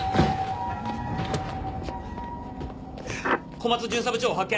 小松巡査部長を発見！